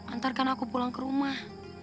antarkan aku pulang ke rumah